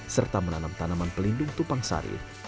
serta menanam tanaman pelindung tupang sari